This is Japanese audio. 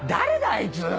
あいつ。